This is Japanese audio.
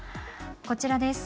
こちらです。